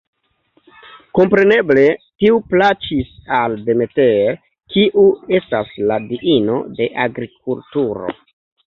Kompreneble tiu plaĉis al Demeter, kiu estas la diino de agrikulturo.